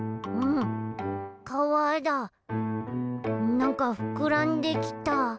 なんかふくらんできた。